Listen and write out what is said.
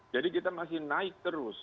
jadi kita masih naik terus